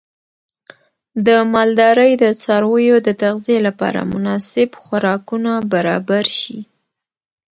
د مالدارۍ د څارویو د تغذیې لپاره مناسب خوراکونه برابر شي.